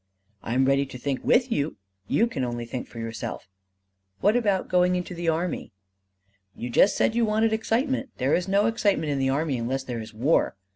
"I am ready to think with you; you can only think for yourself." "What about going into the army?" "You just said you wanted excitement. There is no excitement in the army unless there is war.